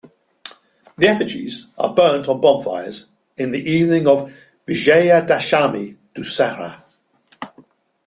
The effigies are burnt on bonfires in the evening of Vijayadashami-Dussehra.